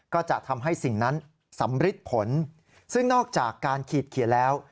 ก็จะทำให้สิ่งนั้นสำริดผลซึ่งนอกจากการขีดเขียนแล้ว